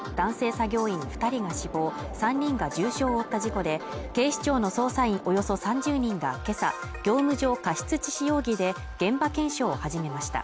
作業員二人が死亡３人が重傷を負った事故で警視庁の捜査員およそ３０人が今朝業務上過失致死容疑で現場検証を始めました